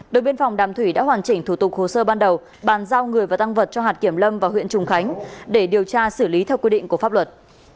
đội biên phòng đàm thủy đã hoàn chỉnh thủ tục hồ sơ ban đầu bàn giao người và tăng vật cho hạt kiểm lâm và huyện trùng khánh để điều tra xử lý theo quy định của pháp luật